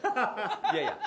いやいや。